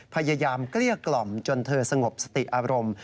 เกลี้ยกล่อมจนเธอสงบสติอารมณ์